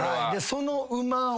その馬を。